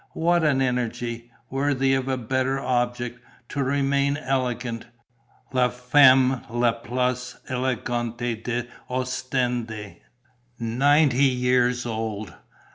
What an energy, worthy of a better object, to remain elegant: la femme la plus élégante d'Ostende! Ninety years old!